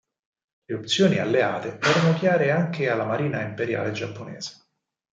Le opzioni Alleate erano chiare anche alla Marina imperiale giapponese.